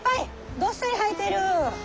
どっさり生えてる！